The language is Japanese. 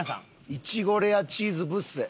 いちごレアチーズぶっせ。